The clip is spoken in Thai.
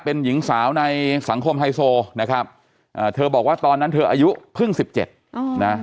เป็นหญิงสาวในสังคมไฮโซนะครับเธอบอกว่าตอนนั้นเธออายุเพิ่งสิบเจ็ดนะ